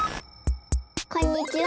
こんにちは！